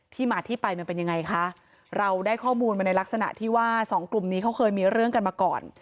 มาที่ไปมันเป็นยังไงคะเราได้ข้อมูลมาในลักษณะที่ว่าสองกลุ่มนี้เขาเคยมีเรื่องกันมาก่อน